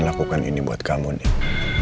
saya akan lakukan ini buat kamu nek